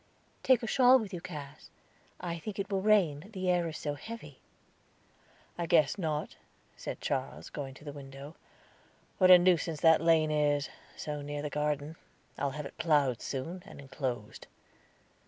"Take a shawl with you, Cass; I think it will rain, the air is so heavy." "I guess not," said Charles, going to the window. "What a nuisance that lane is, so near the garden! I'll have it plowed soon, and enclosed."